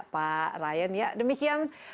pak ryan ya demikian